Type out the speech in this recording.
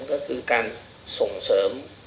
ก็คือการส่งเสริม